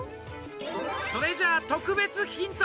それじゃ特別ヒント。